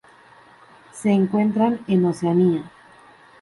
Se encuentran en Oceanía.